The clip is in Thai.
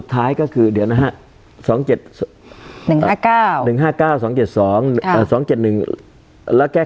การแสดงความคิดเห็น